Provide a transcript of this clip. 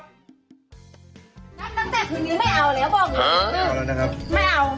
นั้นนั้นแต่คืนนี้ไม่เอาแล้วบอกเลย